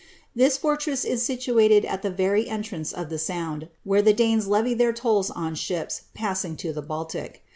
TWi fortress is situated at the very entrance of the Sound, n here the Da^^e^ levy their tolls on ships passing to the Baltic.